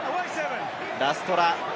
ラストラ。